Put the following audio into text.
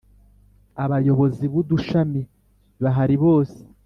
Abayobozi b ‘Udushami bahari bose.